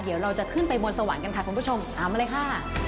เดี๋ยวเราจะขึ้นไปบนสวรรค์กันค่ะคุณผู้ชมตามมาเลยค่ะ